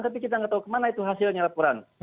tapi kita nggak tahu kemana itu hasilnya laporan